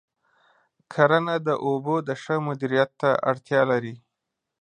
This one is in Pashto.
کرنه د اوبو د ښه مدیریت ته اړتیا لري.